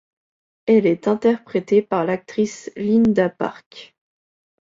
Elle est interprétée par l'actrice Linda Park.